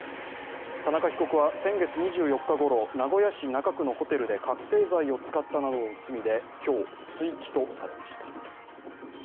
田中被告は先月２４日ごろ、名古屋市中区のホテルで覚醒剤を使ったなどの罪で今日、追起訴されました。